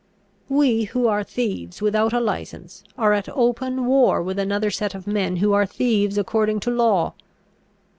] "We, who are thieves without a licence, are at open war with another set of men who are thieves according to law.